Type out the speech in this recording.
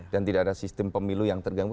dan tidak ada sistem pemilu yang terganggu